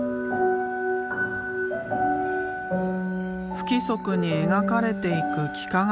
不規則に描かれていく幾何学